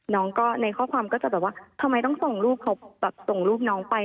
น้องในข้อความก็จะแบบว่าทำไมต้องส่งลูกน้องไป